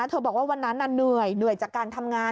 บอกว่าวันนั้นเหนื่อยเหนื่อยจากการทำงาน